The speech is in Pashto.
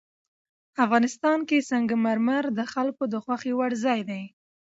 افغانستان کې سنگ مرمر د خلکو د خوښې وړ ځای دی.